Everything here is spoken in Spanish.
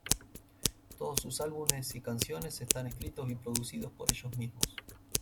Todos sus álbumes y canciones están escritos y producidos por ellos mismos.